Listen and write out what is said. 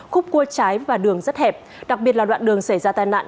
khúc cua trái và đường rất hẹp đặc biệt là đoạn đường xảy ra tai nạn